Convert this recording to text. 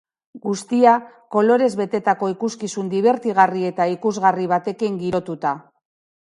Guztia kolorez betetako ikuskizun dibertigarri eta ikusgarri batekin girotuta.